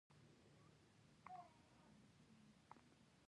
هر ځل به يې چې له ورور سره جګړه کوله.